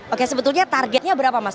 oke sebetulnya targetnya berapa mas